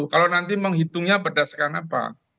kalau nanti menghitungnya berdasarkan apa